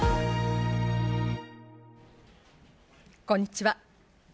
こんにちは。